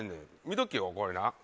見とけよこれな。